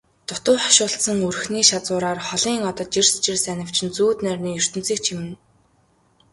Дутуу хошуулдсан өрхний шазуураар холын одод жирс жирс анивчин зүүд нойрны ертөнцийг чимнэ.